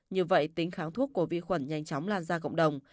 như vậy tính kháng thuốc của vi khuẩn nhanh chóng lan ra cộng đồng